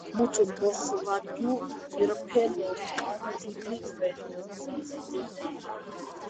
მუთ მოხვადუ ირფელ სკან დუდი რე